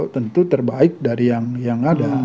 tentu terbaik dari yang ada